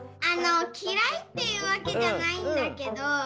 あのきらいっていうわけじゃないんだけど。